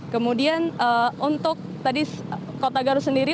kemudian untuk tadi kota garut sendiri